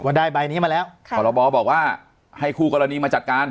ได้ใบนี้มาแล้วพรบบอกว่าให้คู่กรณีมาจัดการ